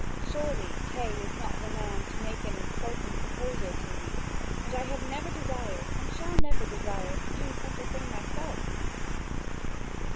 Surely, Kay is not the man to make an insulting proposal to me, and I have never desired and shall never desire to do such a thing myself."